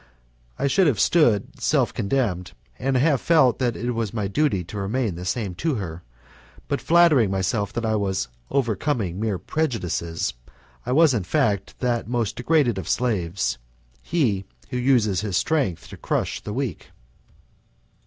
I should have stood self condemned, and have felt that it was my duty to remain the same to her, but flattering myself that I was overcoming mere prejudices, I was in fact that most degraded of slaves, he who uses his strength to crush the weak.